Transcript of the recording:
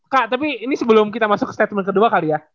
kak tapi ini sebelum kita masuk ke statement kedua kali ya